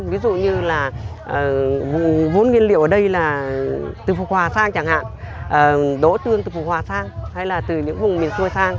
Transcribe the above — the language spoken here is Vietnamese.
ví dụ như là vốn nguyên liệu ở đây là từ phục hòa sang chẳng hạn đỗ tương từ phù hòa sang hay là từ những vùng miền xuôi sang